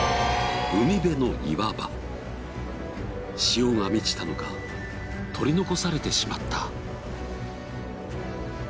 潮が満ちたのか取り残されてしまった。